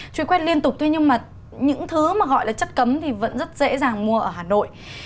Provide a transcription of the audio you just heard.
truy quét liên tục thế nhưng mà những thứ mà gọi là chất cấm thì vẫn rất dễ dàng mua ở hà nội